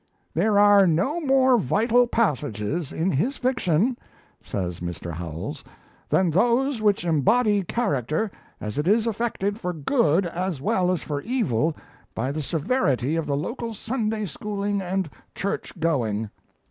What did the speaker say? "There are no more vital passages in his fiction," says Mr. Howells, "than those which embody character as it is affected for good as well as for evil by the severity of the local Sunday schooling and church going."